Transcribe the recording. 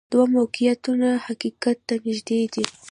دوه موقعیتونه حقیقت ته نږدې دي.